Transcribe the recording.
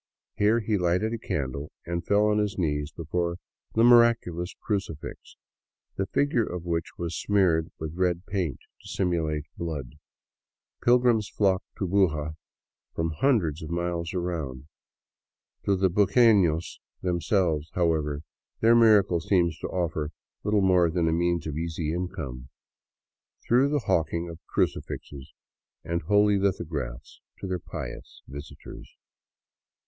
Here he lighted a candle and fell on his knees before the " miraculous " crucifix, the figure of which was smeared with red paint to simulate blood. Pilgrims flock to Buga from hundreds of miles around. To the buguenos themselves, however, their " miracle " seems to offer little more than a means of easy income, through the hawking of crucifixes and holy lithographs to their pious visitors.